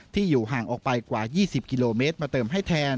ที่อยู่ห่างออกไปกว่า๒๐กิโลเมตรมาเติมให้แทน